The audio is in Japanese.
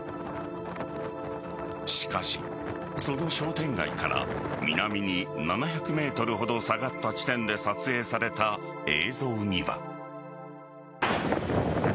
しかし、その商店街から南に７００ｍほど下がった地点で撮影された映像には。